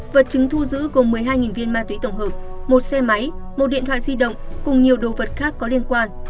vật chứng thu giữ gồm một mươi hai viên ma túy tổng hợp một xe máy một điện thoại di động cùng nhiều đồ vật khác có liên quan